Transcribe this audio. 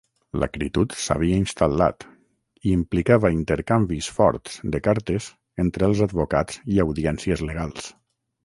L'acritud s'havia instal·lat, i implicava intercanvis forts de cartes entre els advocats i audiències legals.